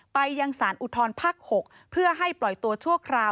ไปยังสารอุทธรภาค๖เพื่อให้ปล่อยตัวชั่วคราว